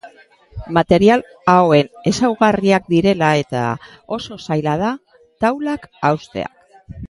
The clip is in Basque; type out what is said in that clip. Material hauen ezaugarriak direla eta, oso zaila da taulak haustea.